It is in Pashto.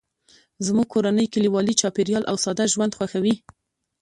زموږ کورنۍ کلیوالي چاپیریال او ساده ژوند خوښوي